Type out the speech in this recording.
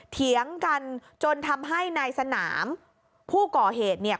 เถียงกันจนทำให้นายสนามผู้ก่อเหตุเนี่ย